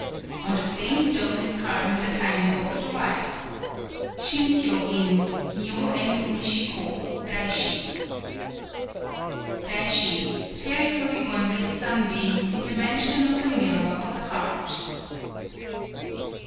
_] On the same stone is carven the kaimyō of the wife: Shin kyō In, Myō en Nichi ko, Daishi. [_Daishi, Spherically Wondrous Sunbeam, in the Mansion of the Mirror of the Heart.